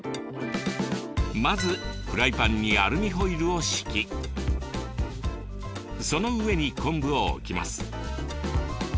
まずフライパンにアルミホイルを敷きその上に昆布を置きます。